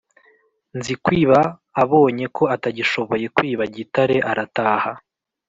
Nzikwiba abonye ko atagishoboye kwiba Gitare arataha